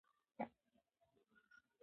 زه هره شپه مخکې له خوبه مطالعه کوم.